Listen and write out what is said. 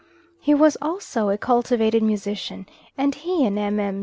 He was also a cultivated musician, and he and Mme.